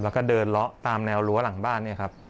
แล้วก็เดินเลาะตามแนวรั้วหลังบ้านเนี่ยครับ